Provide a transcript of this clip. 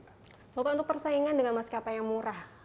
bapak untuk persaingan dengan maskapai yang murah